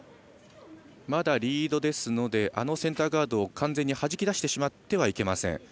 まだリードですのであのセンターガードを完全にはじき出してしまってはいけません。